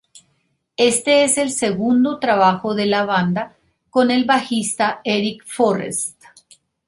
Este es el segundo trabajo de la banda con el bajista Eric Forrest.